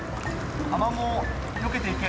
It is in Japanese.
アマモをよけて行け。